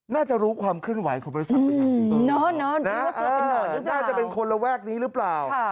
น่าจะรู้ความเคลื่อนไหวของบริษัทนี้น่าจะเป็นคนระแวกนี้หรือเปล่า